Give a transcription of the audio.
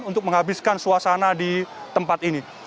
untuk menghabiskan suasana di tempat ini